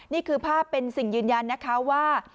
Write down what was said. นี่คือภาพเป็นสิ่งยืนยันนะคะว่า